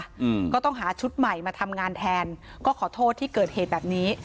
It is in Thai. อืมก็ต้องหาชุดใหม่มาทำงานแทนก็ขอโทษที่เกิดเหตุแบบนี้